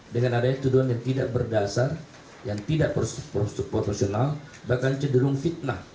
dengan adanya tuduhan yang tidak berdasar yang tidak proporsional bahkan cenderung fitnah